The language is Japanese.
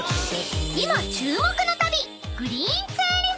［今注目の旅］